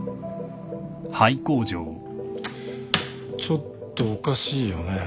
ちょっとおかしいよね。